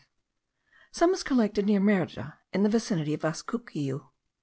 Some is collected near Merida, in the ravine of Viscucucuy.)